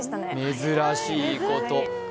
珍しいこと。